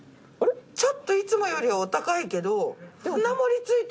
ちょっといつもよりお高いけど。